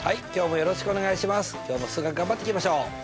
今日も数学頑張っていきましょう。